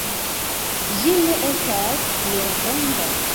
Ĝi ne estas tiel granda.